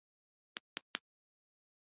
ټېپ يې چالان کړ پر ميز يې کښېښود.